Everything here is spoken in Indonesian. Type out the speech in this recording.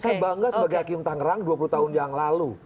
saya bangga sebagai hakim tangerang dua puluh tahun yang lalu